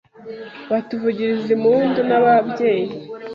batuvugiriza impundu n’ababyeyi.